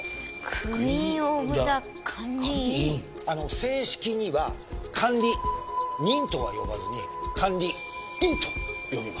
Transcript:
正式には管理人とは呼ばずに管理員と呼びます。